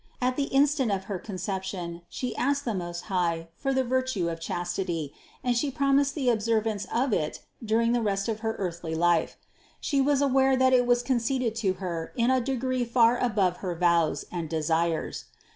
At the instant of her Conception She asked the Most High for the virtue of chastity and She promised the observance of it during the rest of her earthly life. She was aware that it was conceded to Her in a degree far above her vows and desires.